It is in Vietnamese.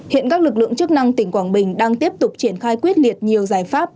hiện các lực lượng chức năng tỉnh quảng bình đang tiếp tục triển khai quyết liệt nhiều giải pháp